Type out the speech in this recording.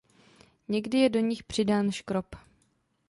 Někdy je do nich přidán škrob.